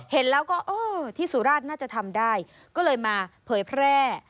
เห็นแล้วก็เออที่สุราชน่าจะทำได้ก็เลยมาเผยแพร่